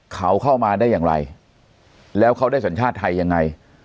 เขาเข้ามาได้อย่างไรแล้วเขาได้สัญชาติไทยยังไง